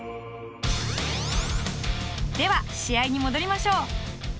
では試合に戻りましょう！